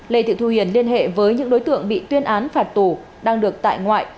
lê thị thu hiền liên hệ với những đối tượng bị tuyên án phạt tù đang được tại ngoại